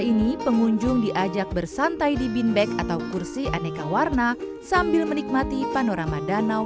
ini pengunjung diajak bersantai di bin bag atau kursi aneka warna sambil menikmati panorama danau